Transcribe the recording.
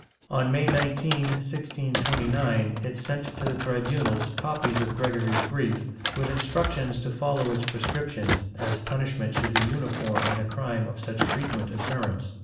^ On May 19, 1629, it sent to the tribunals copies of Gregory's brief, with instructions to follow its prescriptions, as punishment should be uniform in a crime of such frequent occurrence.